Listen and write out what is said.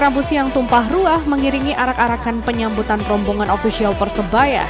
ribuan bonek rabu siang tumpah ruah mengiringi arak arakan penyambutan perombongan ofisial persebaya